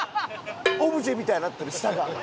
オブジェみたいになってる下が。